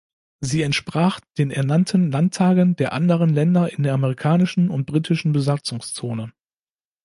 Sie entsprach den Ernannten Landtagen der anderen Länder in der amerikanischen und britischen Besatzungszone.